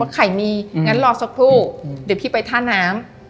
ไข่มีงั้นรอสักครู่เดี๋ยวพี่ไปท่าน้ำ